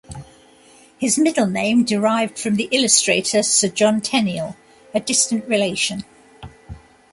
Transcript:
His middle name derived from the illustrator Sir John Tenniel, a distant relation.